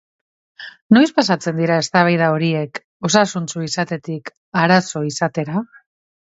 Noiz pasatzen dira eztabaida horiek osasuntsu izatetik arazo izatera?